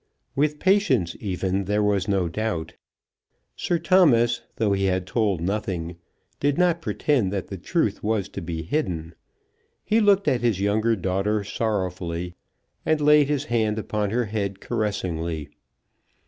With Patience even there was no doubt. Sir Thomas, though he had told nothing, did not pretend that the truth was to be hidden. He looked at his younger daughter sorrowfully, and laid his hand upon her head caressingly.